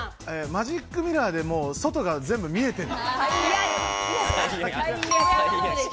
マジックミラーで外がもう全部見えてる。